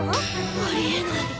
⁉ありえない！